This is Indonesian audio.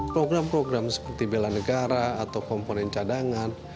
program program seperti bela negara atau komponen cadangan